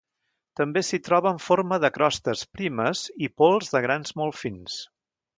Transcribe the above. També s'hi troba en forma de crostes primes i pols de grans molt fins.